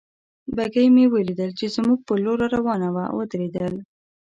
بګۍ مې ولیدل چې زموږ پر لور را روانه وه، ودرېدل.